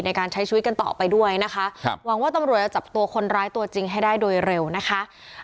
ในการใช้ชีวิตกันต่อไปด้วยนะคะครับหวังว่าตำรวจจะจับตัวคนร้ายตัวจริงให้ได้โดยเร็วนะคะ